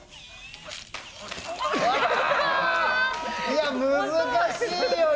いや難しいよ！